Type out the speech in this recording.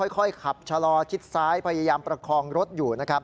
ค่อยขับชะลอชิดซ้ายพยายามประคองรถอยู่นะครับ